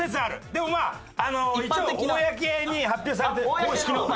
でもまああの一応公に発表されている公式の。